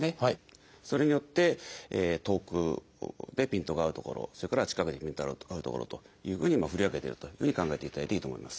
それによって遠くでピントが合う所それから近くでピントが合う所というふうに振り分けてるというふうに考えていただいていいと思います。